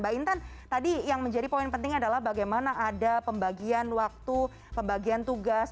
mbak intan tadi yang menjadi poin penting adalah bagaimana ada pembagian waktu pembagian tugas